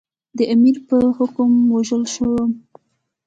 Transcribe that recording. د امیر په حکم ووژل شوم.